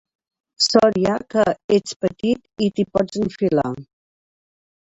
Sort hi ha que ets petit i t'hi pots enfilar.